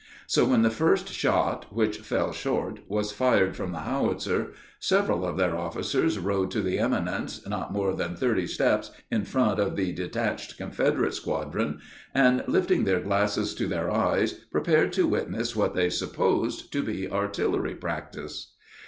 So when the first shot, which fell short, was fired from the howitzer, several of their officers rode to the eminence not more than thirty steps in front of the detached Confederate squadron, and lifting their glasses to their eyes, prepared to witness what they supposed to be artillery practice.